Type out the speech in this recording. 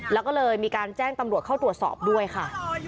แล้วก็เลยมีการแจ้งตำรวจเข้าตรวจสอบด้วยค่ะ